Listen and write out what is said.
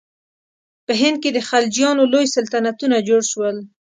په هند کې د خلجیانو لوی سلطنتونه جوړ شول.